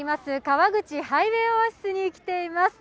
川口ハイウェイオアシスに来ています。